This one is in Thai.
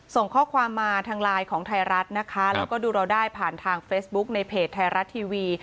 ส่งข้อความมาทางไลน์ของไทยรัฐนะคะแล้วก็ดูเราได้ผ่านทางเฟซบุ๊กในเพจไทยรัฐทีวี